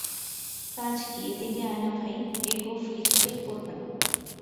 কাজ কী, এ দিকে আয় না ভাই, এ গোঁফ কিছুতেই পড়বে না।